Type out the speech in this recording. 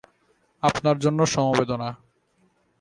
আপনার জন্য সমবেদনা।